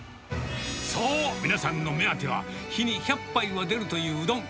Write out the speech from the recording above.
そう、皆さんのお目当ては、日に１００杯は出るといううどん。